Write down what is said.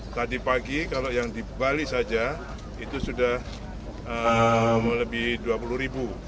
tadi pagi kalau yang di bali saja itu sudah melebihi dua puluh ribu